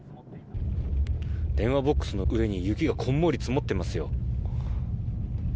電話ボックスの上に雪がこんもり積もってますよ。